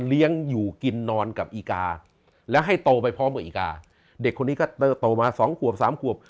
เลี้ยงอยู่กินนอนกับอีกาแล้วให้โตไปพร้อมกับอีกาเด็กคนนี้ก็โตมาสองขวบสามขวบ